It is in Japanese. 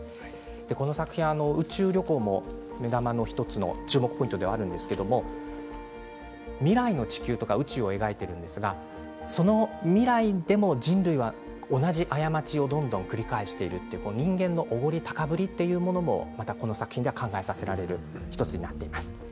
この作品は宇宙旅行も注目ポイントではあるんですけれど未来の地球とか宇宙を描いているんですがその未来でも人類は同じ過ちをどんどん繰り返していく人間のおごり、高ぶりというものも、この作品では考えさせられる１つになっています。